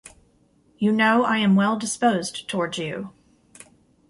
You know I am well-disposed towards you.